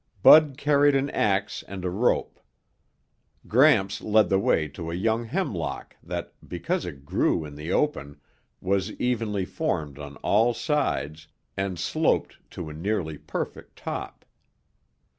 Bud carried an ax and a rope. Gramps led the way to a young hemlock that, because it grew in the open, was evenly formed on all sides and sloped to a nearly perfect top.